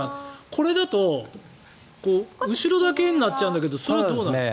これだと後ろだけになっちゃうんだけどそれはどうなんですか？